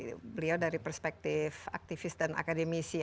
dari beliau dari perspektif aktivis dan akademisi